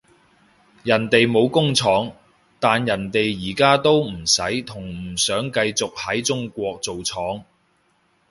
人哋冇工廠，但人哋而家都唔使同唔想繼續喺中國做廠